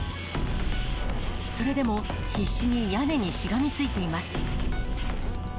それでも必死に屋根にしがみついています。